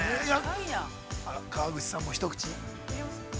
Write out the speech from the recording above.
川口さんも一口。